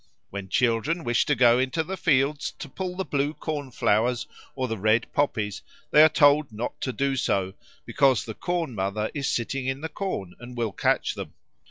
When children wish to go into the fields to pull the blue corn flowers or the red poppies, they are told not to do so, because the Corn mother is sitting in the corn and will catch them.